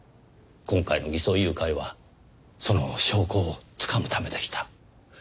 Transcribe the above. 今回の偽装誘拐はその証拠をつかむためでした。